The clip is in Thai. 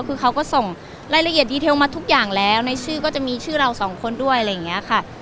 คือเขาก็ส่งรายละเอียดดีเทลมาทุกอย่างแล้วในชื่อก็จะมีชื่อเราสองคนด้วยอะไรอย่างนี้ค่ะ